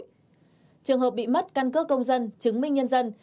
trường hợp bị mất căn cước công dân chứng minh nhân dân